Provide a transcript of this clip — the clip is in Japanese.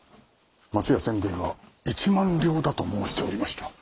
松屋善兵衛は１万両だと申しておりました。